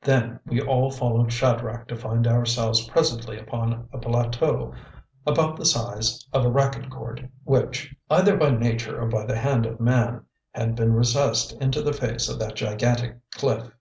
Then we all followed Shadrach to find ourselves presently upon a plateau about the size of a racquet court which, either by nature or by the hand of man, had been recessed into the face of that gigantic cliff.